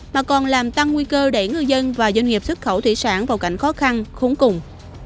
mà còn làm tăng nguy cơ để ngư dân và doanh nghiệp xuất khẩu thủy sản vào cảnh khó khăn khốn cùng